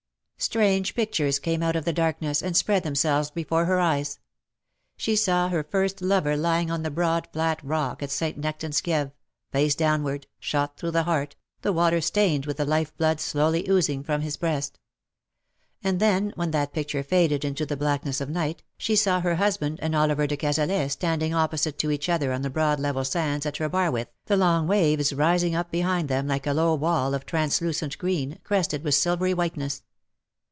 Strange pictures came out of the darkness, and spread themselves before her eyes. She saw her first lover lying on the broad flat rock at St. Nectan's Kieve, face downward, shot through the heart, the water stained with the life blood slowly oozing from his breast. And then, when that picture faded into the blackness of night, she saw her husband and Oliver de Cazalet standing opposite to each other on the broad level sands at Trebarwith, the long waves rising up behind them like a low wall of translucent green, crested with silvery whiteness.